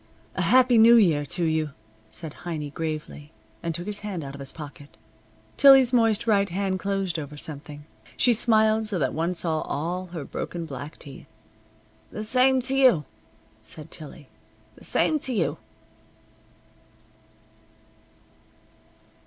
"A Happy New Year to you," said Heiny gravely, and took his hand out of his pocket. Tillie's moist right hand closed over something. She smiled so that one saw all her broken black teeth. "The same t' you," said Tillie. "The same t' you."